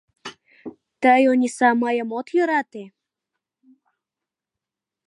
Тый, Ониса, мыйым от йӧрате?